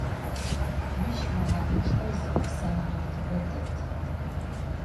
Mış mehaneşşxo zi'e sauğetıbe det.